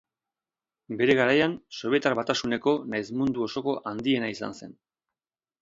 Bere garaian, Sobietar Batasuneko nahiz mundu osoko handiena izan zen.